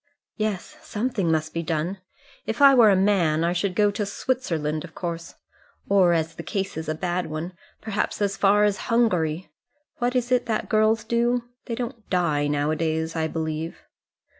"Yes, something must be done. If I were a man I should go to Switzerland, of course; or, as the case is a bad one, perhaps as far as Hungary. What is it that girls do? they don't die now a days, I believe."